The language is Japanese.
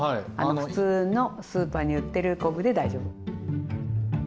普通のスーパーに売ってる昆布で大丈夫。